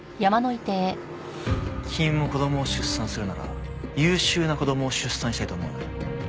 君も子供を出産するなら優秀な子供を出産したいと思わない？